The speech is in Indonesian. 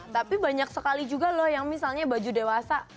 tapi banyak sekali juga loh yang misalnya baju dewasa